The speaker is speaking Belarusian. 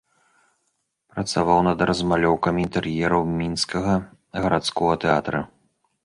Працаваў над размалёўкамі інтэр'ераў мінскага гарадскога тэатра.